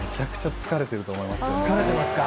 疲れてますか。